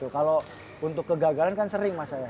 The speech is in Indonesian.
kalau untuk kegagalan kan sering mas saya